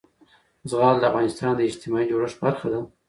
زغال د افغانستان د اجتماعي جوړښت برخه ده.